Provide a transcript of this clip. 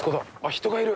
人がいる。